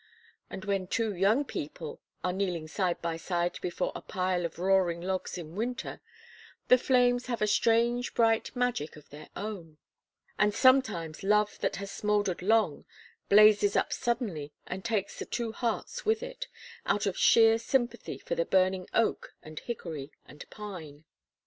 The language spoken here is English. And when two young people are kneeling side by side before a pile of roaring logs in winter, the flames have a strange bright magic of their own; and sometimes love that has smouldered long blazes up suddenly and takes the two hearts with it out of sheer sympathy for the burning oak and hickory and pine.